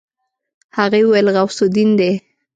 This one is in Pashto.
هغې وويل غوث الدين دی.